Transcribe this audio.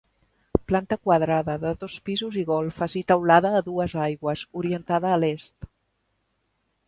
Planta quadrada, de dos pisos i golfes, i teulada a dues aigües, orientada a l'est.